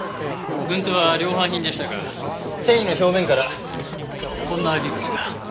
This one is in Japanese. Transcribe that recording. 軍手は量販品でしたが繊維の表面からこんな微物が。